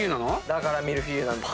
だからミルフィーユなんです。